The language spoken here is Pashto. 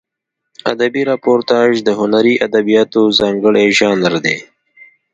ادبي راپورتاژ د هنري ادبیاتو ځانګړی ژانر دی.